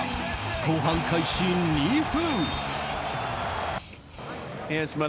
後半開始２分。